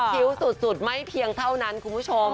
คิ้วสุดไม่เพียงเท่านั้นคุณผู้ชม